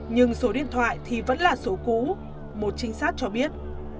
nhưng số điện thoại thì vẫn là số cũ một trinh sát cho biết